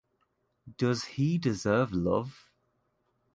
Does he deserve love?